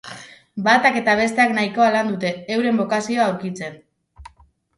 Batak eta besteak nahikoa lan dute, euren bokazioa aurkitzen.